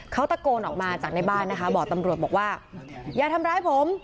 เขาตะโกนออกมาจากในบ้านนะคะบอกตำรวจบอกว่าอย่าทำร้ายผม